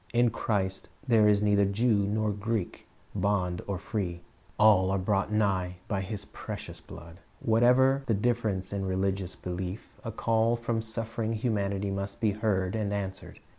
In Christ there is neither Jew nor Greek, bond nor free. All are brought nigh by His precious blood.' Whatever the difference in religious belief, a call from suffering humanity must be heard and answered.